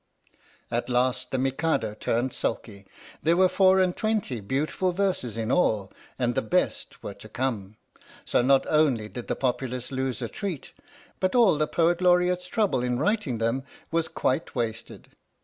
At last the Mikado turned sulky. There were four and twenty beautiful verses in all and the best were THE STORY OF THE MIKADO to come. So not only did the populace lose a treat, but all the Poet Laureate's trouble in writing them was quite wasted.